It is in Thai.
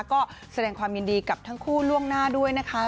ก็แสดงความยินดีกับทั้งคู่ล่วงหน้าด้วยนะคะ